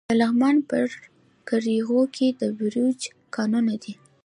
د لغمان په قرغیو کې د بیروج کانونه دي.